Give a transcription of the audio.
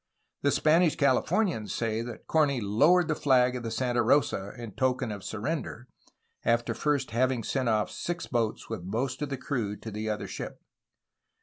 The Spanish Californians say that Corney lowered the flag of the Santa Rosa in token of surrender, after first having sent off six boats with most of the crew to the other ship.